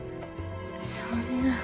そんな。